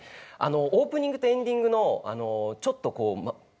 オープニングとエンディングのちょっとこう。